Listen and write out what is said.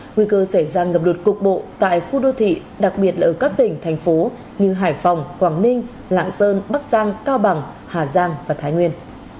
nguy cơ xảy ra ngập lụt cục bộ tại khu đô thị đặc biệt là ở các tỉnh thành phố như hải phòng quảng ninh lạng sơn bắc giang cao bằng hà giang và thái nguyên